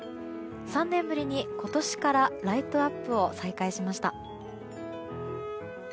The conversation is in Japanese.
３年ぶりに今年からライトアップを再開しました。